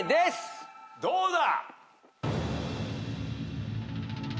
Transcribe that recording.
どうだ。